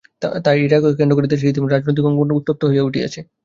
ওই রায়কে কেন্দ্র করে ইতিমধ্যে দেশের রাজনৈতিক অঙ্গন উত্তপ্ত হয়ে গেছে।